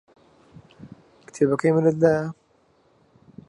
کتێبەکەی منت لایە؟